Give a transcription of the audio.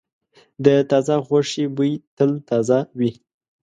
د تازه غوښې بوی تل تازه وي.